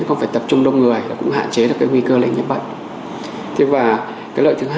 không phải tập trung đông người cũng hạn chế được cái nguy cơ lệnh nhiễm bệnh thế và cái lợi thứ